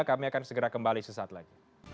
kami akan segera kembali sesaat lagi